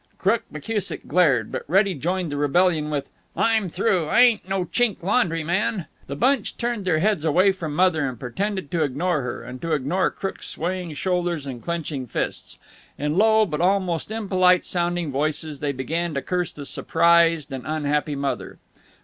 Crook McKusick glared, but Reddy joined the rebellion with: "I'm through. I ain't no Chink laundryman." The bunch turned their heads away from Mother, and pretended to ignore her and to ignore Crook's swaying shoulders and clenching fists. In low but most impolite sounding voices they began to curse the surprised and unhappy Mother.